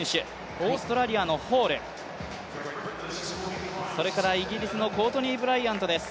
オーストラリアのホール、それからイギリスのコートニーブライアントです。